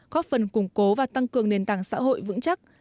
góp phần củng cố và tăng cường nền tảng xã hội vững chắc